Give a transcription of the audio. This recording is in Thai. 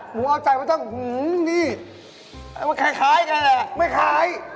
หมูเอาใจไม่ต้องหื้อนี่มันคล้ายกันเหรอไม่คล้าย